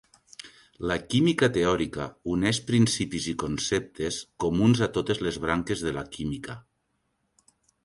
La química teòrica uneix principis i conceptes comuns a totes les branques de la química.